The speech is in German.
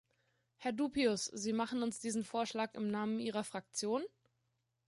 Herr Dupuis, Sie machen uns diesen Vorschlag im Namen Ihrer Fraktion?